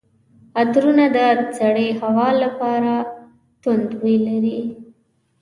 عطرونه د سړې هوا لپاره توند بوی لري.